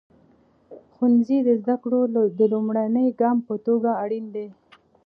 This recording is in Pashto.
ښوونځی د زده کړو د لومړني ګام په توګه اړین دی.